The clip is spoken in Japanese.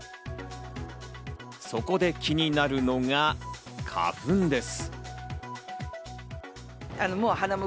そこで気になるのが花粉です。